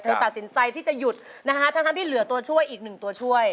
ตัดสินใจที่จะหยุดนะฮะทั้งที่เหลือตัวช่วยอีกหนึ่งตัวช่วย